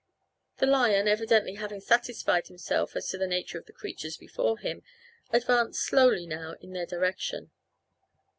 The lion evidently having satisfied himself as to the nature of the creatures before him advanced slowly now in their direction.